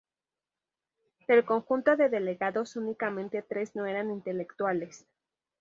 Del conjunto de delegados, únicamente tres no eran intelectuales.